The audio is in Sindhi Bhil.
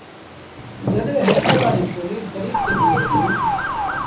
جڏهيݩ هيٺ وآريٚ ٽوليٚ دريٚ تي بيٚهي ديٚ۔